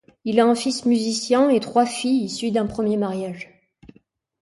Il a un fils musicien, et trois filles issues d'un premier mariage.